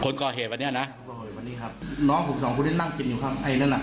คนก่อเหตุวันนี้นะวันนี้ครับน้องผมสองคนที่นั่งกินอยู่ครับไอ้นั่นอ่ะ